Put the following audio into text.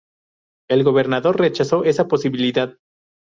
El gobernador rechazó esa posibilidad.